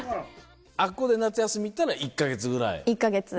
あそこで夏休み行ったら１か月ぐらい。